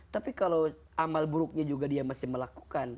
tapi kalau amal buruknya juga dia masih melakukan